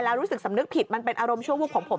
แล้วรู้สึกสำนึกผิดมันเป็นอารมณ์ชั่ววูบของผม